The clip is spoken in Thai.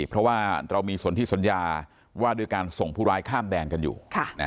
เพราะว่าเรามีส่วนที่สัญญาว่าด้วยการส่งผู้ร้ายข้ามแดนกันอยู่